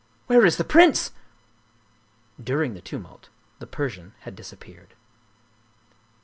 "Where is the prince?" During the tumult the Persian had disappeared.